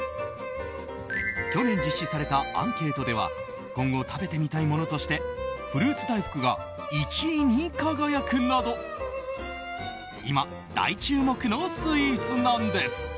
去年実施されたアンケートでは今後食べてみたいものとしてフルーツ大福が１位に輝くなど今、大注目のスイーツなんです。